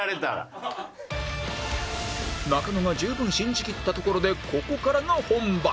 中野が十分信じきったところでここからが本番